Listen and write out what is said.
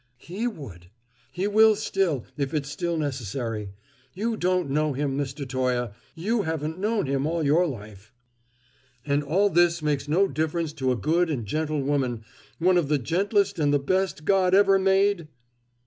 "He would; he will still, if it's still necessary. You don't know him, Mr. Toye; you haven't known him all your life." "And all this makes no difference to a good and gentle woman one of the gentlest and the best God ever made?"